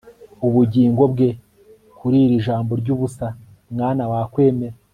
ubugingo bwe! ... kuri iri jambo ryubusa, mwana, wakwemera